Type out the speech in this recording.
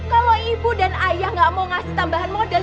kalau ibu dan ayah gak mau ngasih tambahan modal